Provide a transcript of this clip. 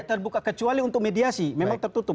terbuka kecuali untuk mediasi memang tertutup